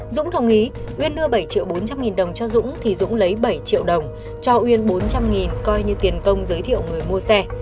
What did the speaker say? dũng đồng ý uyên đưa bảy triệu bốn trăm linh nghìn đồng cho dũng thì dũng lấy bảy triệu đồng cho uyên bốn trăm linh coi như tiền công giới thiệu người mua xe